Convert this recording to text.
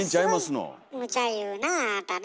ものすごいむちゃ言うなああなたね。